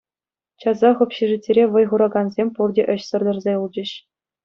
Часах общежитире вӑй хуракансем пурте ӗҫсӗр тӑрса юлчӗҫ.